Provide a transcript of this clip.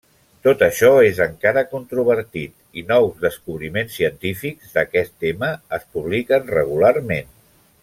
Tot això és encara controvertit, i nous descobriments científics d'aquest tema es publiquen regularment.